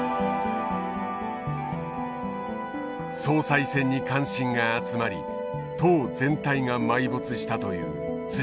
総裁選に関心が集まり党全体が埋没したと言う元。